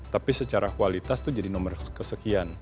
tapi secara kualitas itu jadi nomor kesekian